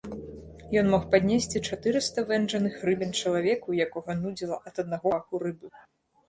Ён мог паднесці чатырыста вэнджаных рыбін чалавеку, якога нудзіла ад аднаго паху рыбы.